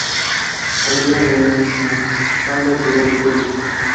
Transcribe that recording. La Liga de Esmalcalda quedó disuelta.